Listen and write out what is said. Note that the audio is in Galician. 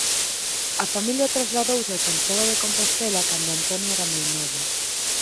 A familia trasladouse a Santiago de Compostela cando Antonio era moi novo.